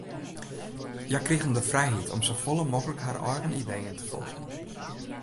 Hja krigen de frijheid om safolle mooglik har eigen ideeën te folgjen.